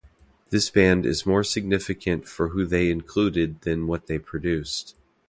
This band is more significant for who they included than what they produced.